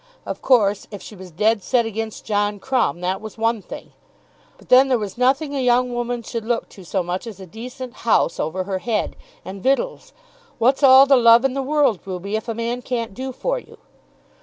Of course if she was "dead set" against John Crumb, that was one thing! But then there was nothing a young woman should look to so much as a decent house over her head, and victuals. "What's all the love in the world, Ruby, if a man can't do for you?"